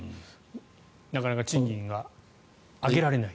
なかなか賃金が上げられない。